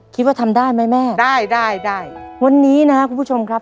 คิดว่าทำได้ไหมแม่ได้ได้ได้วันนี้นะครับคุณผู้ชมครับ